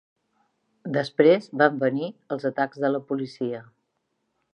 Després van venir els atacs de la policia.